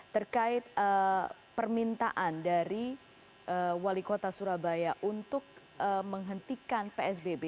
terkait permintaan dari wali kota surabaya untuk menghentikan psbb